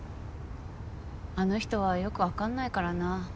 あの人はよくわかんないからな。